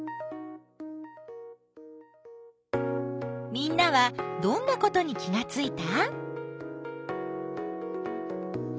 みんなはどんなことに気がついた？